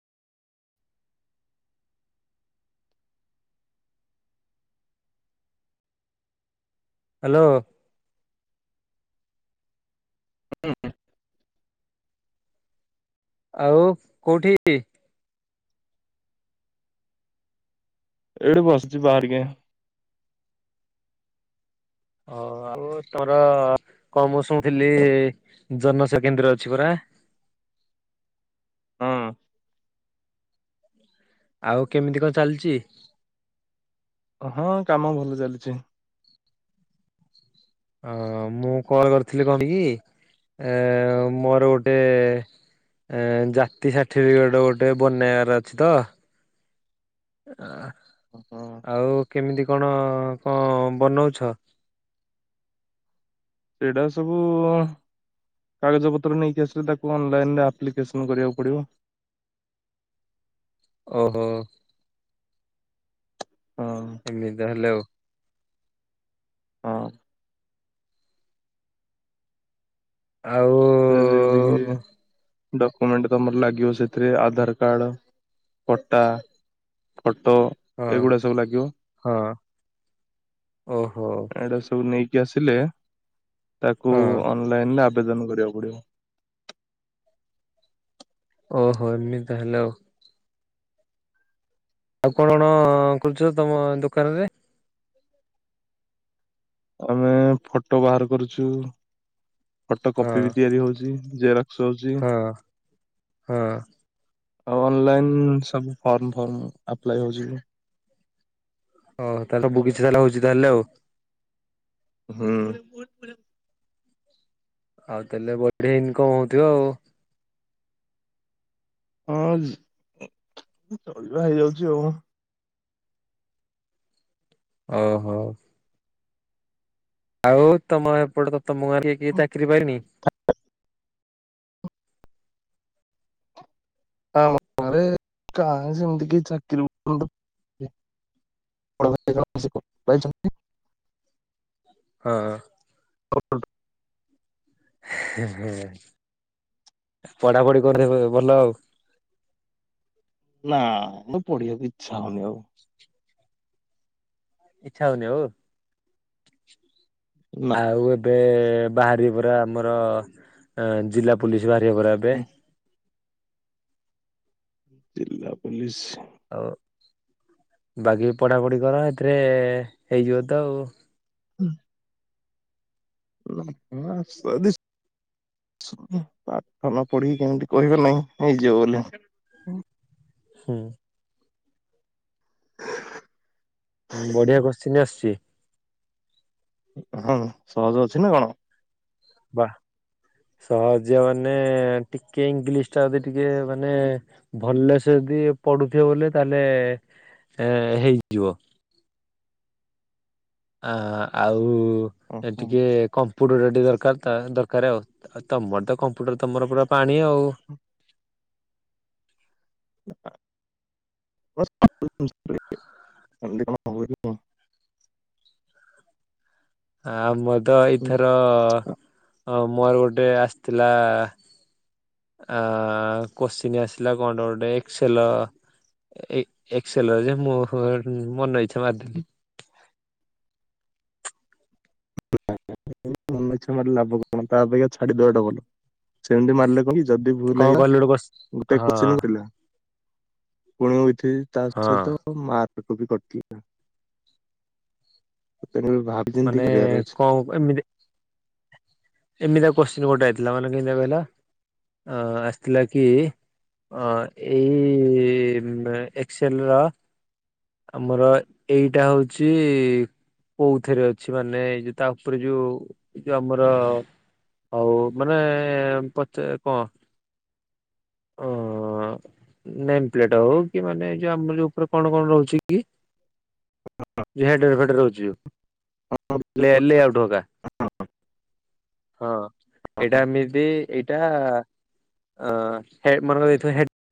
Hello. [inaudible] ଆଉ କୋଉଠି? ଏଇଠି ବସିଚି ବା ଟିକେ। ଓ ଆଉ ତମର କଣ ମୁଁ ଶୁଣିଥିଲି ଜନସେବା କେନ୍ଦ୍ର ଅଛି ପରା। ହଁ। ଆଉ କେମିତି କଣ ଚାଲଚି? ହଁ କାମ ଭଲ ଚାଲିଚି। ଅ ହ ମୁଁ କଲ କରିଥିଲି କଣ କି ଏ ମୋର ଗୋଟେ ଏ ଜାତି ସାର୍ଟିଫିକେଟ ଗୋଟେ ବନେଇଆର ଅଛି ତ। [unintelligible] ହଁ। ଆଉ କେମିତି କଣ କଣ ବନଉଛ? ସେଇଟା ସବୁ କାଗଜପତ୍ର ନେଇକି ଆସିଲେ ତାକୁ ଅନଲାଇନ ରେ ଆପ୍ଲିକେସନ କରିବାକୁ ପଡିବ। ଓ ହୋ। ହଁ। ଏମିତି ତାହେଲେ ଆଉ। ହଁ। ଆଉ। ଯେ-ଯେମତିକିି ଡକୋମେଣ୍ଟ ତମର ଲାଗିବ ସେଥିରେ ଆଧାର କାର୍ଡ, ପଟା ଫଟୋ। ହଁ ଏଗୁଡା ସବୁ ଲାଗିବ ହଁ ଓହୋ ଏଇରା ସବୁ ନେଇ କି ଆସିଲେ ତାକୁ ହଁ ଅନଲାଇନରେ ଆବେଦନ କରିଆକୁ ପଡିବ। ଓ ହୋ ଏମିତି ତାହେଲେ ଆଉ। ଆଉ କଣ କରୁଚ ତମ ଦୋକାନେରେ? ଆମେ ଫଟୋ ବାହାର କରୁଛୁ। ଫଟୋ ହଁ କପି ବି ତିଆରି ହଉଚି ଜେରକ୍ସ ହଉଚି। ହଁ ହଁ ଆଉ ଅନଲାଇନ ସବୁ ଫର୍ମ ଫର୍ମ ଆପ୍ଲାଏ ହଉଚି। ହଁ ତାହେଲେ ସବୁକିଛି ତାହେଲେ ହଉଚି ତାହେଲେ ଆଉ। ହୁଁ। ଆଉ ତାହେଲେ ବଢିଆ ଇନକମ୍ ହଉଥିବ ଆଉ। ହଁ ଚଳିବା ହେଇଯାଉଛି ଆଉ। ଅ ହୋ। ଆଉ ତମ ଏପଟେ ତ ତମ ଗାଁ କିଏ କିଏ ଚାକିରି ପାଇଲେଣି? ଆମ ଗାଁରେ କାଇଁ ସେମତି କହି ଚାକିରି [inaudible] [inaudible] ହଁ। [inaudible] ହୁଁ ହୁଁ ପଢାପଢି କରିଦେବେ ଭଲ ଆଉ। ନା ମୁଁ ପଢିଆକୁ ଇଚ୍ଛା ହଉନି ଆଉ। ହ ଇଚ୍ଛା ହଉନି ଆଉ ନା ଆଉ ଏବେ ବାହାରିବ ପରା ଆମର ଏଁ ଜିଲ୍ଲା ପୋଲିସ ବାହାରିବ ପରା ଏବେ। ଜିଲ୍ଲା ପୋଲିସ ଆଉ ବାଗେଇକି ପଢାପଢି କର ଏଥିରେ ହେଇଯିବ ତ ଆଉ। ହୁଁ। [unintelligible] [unintelligible] ପାଠ ନ ପଢିକି କେମିତି କହିବେ ନେଇଁ ନେଇଯିବ ବୋଲି। ହୁଁ। ହୁଁ ବଢିଆ କୋଶଚିନି ଆସୁଚି। ହଁ ସହଜ ଅଛି ନା କଣ? ବାଃ ସହଜ ମାନେ ଟିକେ ଇଂଲିଶ ଟା ଯଦି ଟିକେ ମାନେ ଭଲ ସେ ଯଦି ପଢୁଥିବ ବୋଲେ ତାହେଲେ ଏ ହେଇଯିବ। ଅ ଆଉ ଏଇଠି ଓହୋ। ଟିକେ କମ୍ ପୁଡ଼ଟା ଦରକାର ତ ଦରକାର ଆଉ ଆଉ ତମର ତ କମ୍ପ୍ୟୁଟର ତୁମର ପୁରା ପାଣି ଆଉ। [unintelligible] [unintelligible] ଆମର ତ ଏଇଥର ଅ ମୋର ଗୋଟେ ଆସିଥିଲା। ଆ କୋଶ୍ଚିନି ଆସିଲା କଣ୍ଟେ ଗୋଟେ ଏକ୍ସଲ। ଏ ଏକ୍ସଲ ର ଯେ ମୁଁ ହୁଁ ମନ ଇଚ୍ଛା ମାରିଦେଲି। ମନ ଇଚ୍ଛା ମାରଲେ ଲାଭ କଣ ତା ଅପେକ୍ଷା ଛାଡିଦବାଟା ଭଲ। ସେମତି ମାରିଲେ କହି ଯଦି ଭୁଲ କଣ ହେଲା କହିଲୁ ଗୋଟେ କୋଶ୍ଚି ଗୋଟେ ହଁ କୋଶ୍ଚିନ ରହିଲା। ପୁଣି ୱିଥି ତା ହଁ ସହିତ ମାର୍କ ତ ବି କଟିଲା ତେଣୁ କରି ଭାବ। ମାନେ କଁ କଇମି ଏମିତି ଏମିତିଆ କୋଶ୍ଚିନ୍ ଗୋଟେ ଆଇଥିଲା ମାନେ କେମିତିଆ କହିଲ ଆଁ ଆସିଥିଲା କି? ଅ ଏଇ ଏକ୍ସଲ ର ଆମର ଏଇଟା ହଉଚି କୋଉଥିରେ ଅଛି ମାନେ ଏଇ ଯୋଉ ତା ଉପରେ ଯୋଉ ଏଇ ଯୋଉ ଆମର ହଉ ମାନେ ପୋଚେ କଁ ନେମ ପ୍ଲେଟ ହଉ କି ମାନେ ଯୋଉ ଆମର ଯୋଉ ଉପରେ କଣ କଣ ରହୁଛି କି? [unintelligible] ହୋଉଚି ଲେ ଲେ ଆଉଟ୍ [unintelligible] ହଁ ହଁ। ହଁ ଏଇଟା ଏମିତି ଏଇଟା ଅଁ ହେ ମୋର ଏଇଥର ହେଡ